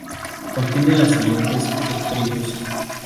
Contiene las siguientes subtribus